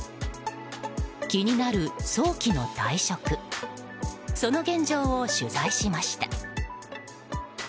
気になる早期の退職その現状を取材しました。